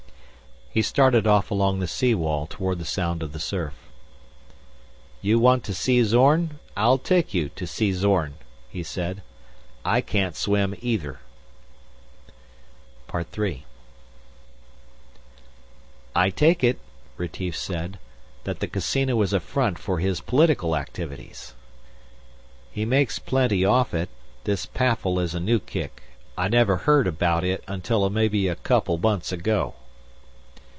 He started off along the sea wall toward the sound of the surf. "You want to see Zorn, I'll take you to see Zorn," he said. "I can't swim either." III "I take it," Retief said, "that the casino is a front for his political activities." "He makes plenty off it. This PAFFL is a new kick. I never heard about it until maybe a couple months ago."